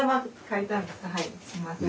はいすいません。